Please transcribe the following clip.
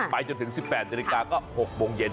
ไปจนถึง๑๘นก็๖โมงเย็น